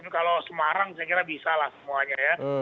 kalau semarang saya kira bisa lah semuanya ya